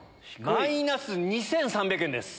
マイナス２３００円です。